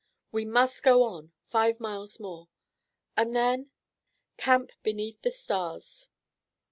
We must go on; five miles more." "And then—" "Camp beneath the stars."